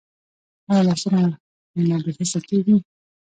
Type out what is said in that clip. ایا لاسونه مو بې حسه کیږي؟